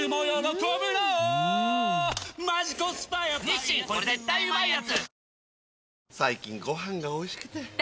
「日清これ絶対うまいやつ」